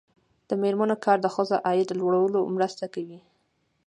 د میرمنو کار د ښځو عاید لوړولو مرسته کوي.